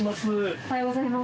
おはようございます。